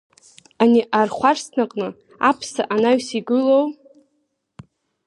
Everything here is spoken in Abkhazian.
Ани архәарсҭаҟны, аԥса анаҩс игылоу?